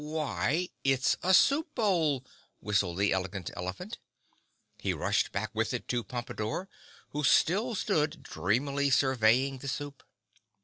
"Why, it's a soup bowl," whistled the Elegant Elephant. He rushed back with it to Pompadore, who still stood dreamily surveying the soup.